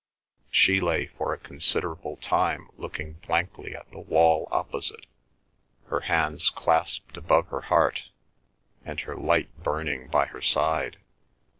She lay for a considerable time looking blankly at the wall opposite, her hands clasped above her heart, and her light burning by her side.